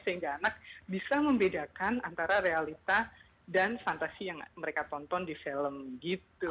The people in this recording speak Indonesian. sehingga anak bisa membedakan antara realita dan fantasi yang mereka tonton di film gitu